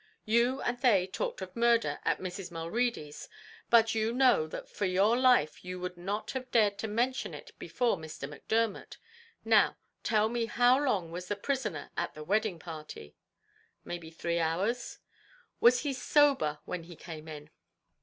You and they talked of murder at Mrs. Mulready's, but you know that for your life you would not have dared to mention it before Mr. Macdermot. Now tell me how long was the prisoner at the wedding party?" "Maybe three hours." "Was he sober when he came in?"